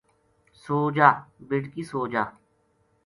سو جا بیٹکی سو جا